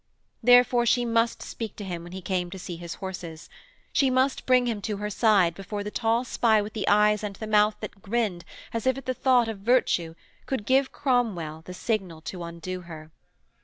Therefore she must speak to him when he came to see his horses. She must bring him to her side before the tall spy with the eyes and the mouth that grinned as if at the thought of virtue could give Cromwell the signal to undo her.